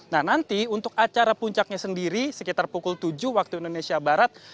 nah nanti untuk acara puncaknya sendiri sekitar pukul tujuh waktu indonesia barat